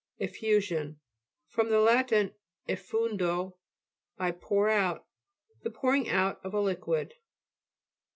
^ EFFU'SION fr. lat. effundo, I pour out. The pouring out of a liquid.